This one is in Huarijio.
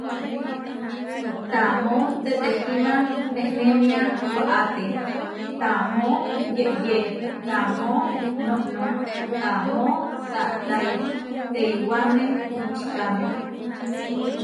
Taamó tetehíma nenémia waáte, taamó yeʼyé taamó noʼnó taamó taatái teiwáme močikáme.